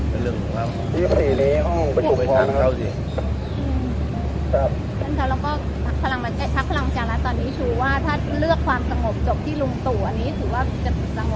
ไปชั้นเข้าสิครับแล้วก็พักพลังจากแล้วตอนนี้ถูกว่าถ้าเลือกความสงบจบที่ลุงตู่อันนี้ถือว่าจะสงบ